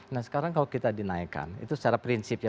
nah sekarang kalau kita dinaikkan itu secara prinsip ya